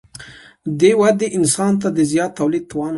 دې ودې انسان ته د زیات تولید توان ورکړ.